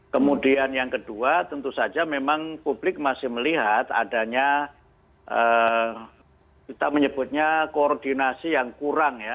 kemudian yang kedua tentu saja memang publik masih melihat adanya kita menyebutnya koordinasi yang kurang ya